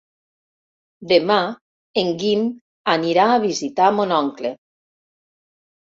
Demà en Guim anirà a visitar mon oncle.